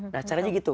nah caranya gitu